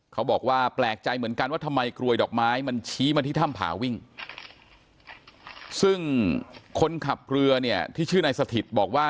เขาบอกว่าแปลกใจเหมือนกันว่าทำไมกรวยดอกไม้มันชี้มาที่ถ้ำผาวิ่งซึ่งคนขับเรือเนี่ยที่ชื่อนายสถิตบอกว่า